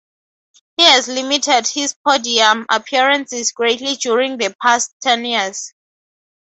He has limited his podium appearances greatly during the past ten years.